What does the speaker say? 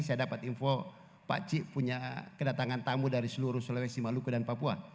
saya dapat info pak cik punya kedatangan tamu dari seluruh sulawesi maluku dan papua